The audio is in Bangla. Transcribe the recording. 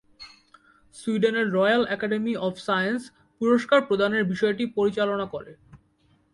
সুইডেনের রয়্যাল একাডেমী অফ সায়েন্স পুরস্কার প্রদানের বিষয়টি পরিচালনা করে।